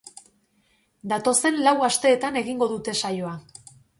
Datozen lau asteetan egingo dute saioa.